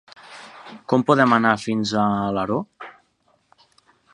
Com podem anar fins a Alaró?